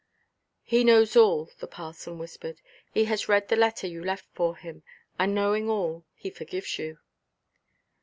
"He knows all," the parson whispered; "he has read the letter you left for him; and, knowing all, he forgives you."